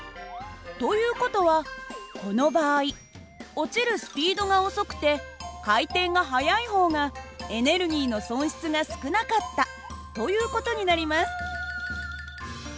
という事はこの場合落ちるスピードが遅くて回転が速い方がエネルギーの損失が少なかったという事になります。